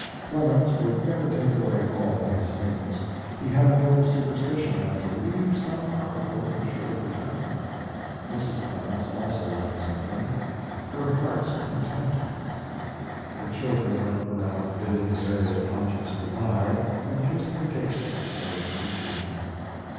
Clemens would never take away all his things. He had an old superstition that to leave some article insured return. Mrs. Clemens also left something her heart's content. The children went around bidding various objects good by and kissed the gates of Ellerslie too.